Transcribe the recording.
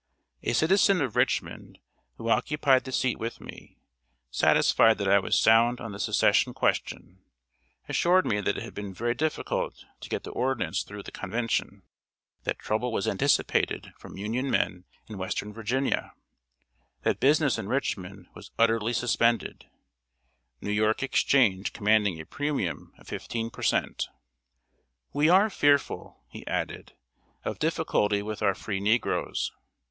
A citizen of Richmond, who occupied the seat with me, satisfied that I was sound on the Secession question, assured me that it had been very difficult to get the ordinance through the Convention; that trouble was anticipated from Union men in Western Virginia; that business in Richmond was utterly suspended, New York exchange commanding a premium of fifteen per cent. "We are fearful," he added, "of difficulty with our free negroes.